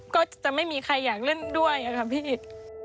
ก็จะไม่มีใครอยากเล่นด้วยค่ะพี่อิต